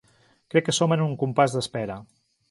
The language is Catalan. Crec que som en un compàs d’espera.